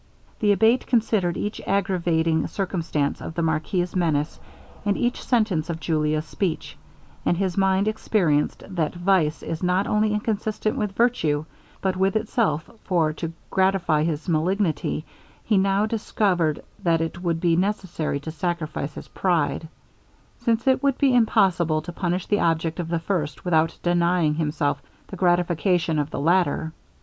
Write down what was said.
The Abate considered each aggravating circumstance of the marquis's menace, and each sentence of Julia's speech; and his mind experienced that vice is not only inconsistent with virtue, but with itself for to gratify his malignity, he now discovered that it would be necessary to sacrifice his pride since it would be impossible to punish the object of the first without denying himself the gratification of the latter.